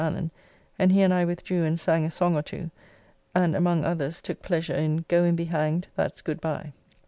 Allen, and he and I withdrew and sang a song or two, and among others took pleasure in "Goe and bee hanged, that's good bye."